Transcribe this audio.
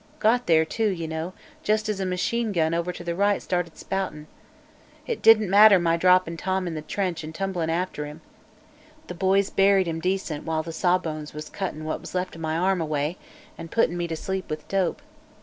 Got there, too, you know, jest as a machine gun over to the right started spoutin'. It didn't matter my droppin' Tom in the trench an' tumblin' after him. The boys buried him decent while the sawbones was cuttin' what was left of my arm away, an' puttin' me to sleep with dope.